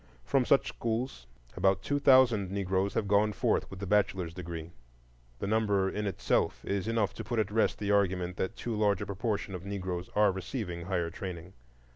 From such schools about two thousand Negroes have gone forth with the bachelor's degree. The number in itself is enough to put at rest the argument that too large a proportion of Negroes are receiving higher training.